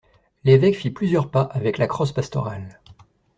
L'évêque fit plusieurs pas, avec la crosse pastorale.